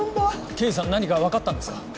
刑事さん何か分かったんですか？